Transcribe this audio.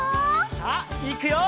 さあいくよ！